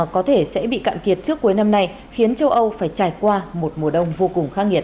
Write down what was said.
có thể sẽ bị cạn kiệt trước cuối năm nay khiến châu âu phải trải qua một mùa đông vô cùng khắc nghiệt